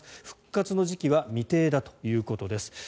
復活の時期は未定だということです。